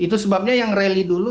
itu sebabnya yang rally dulu